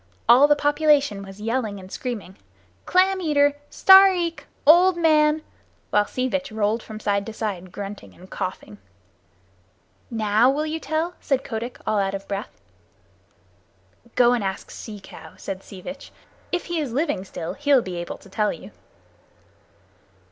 All the population was yelling and screaming "Clam eater! Stareek [old man]!" while Sea Vitch rolled from side to side grunting and coughing. "Now will you tell?" said Kotick, all out of breath. "Go and ask Sea Cow," said Sea Vitch. "If he is living still, he'll be able to tell you."